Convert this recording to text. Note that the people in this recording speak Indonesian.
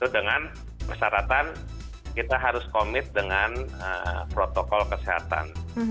dengan persyaratan kita harus komit dengan protokol kesehatan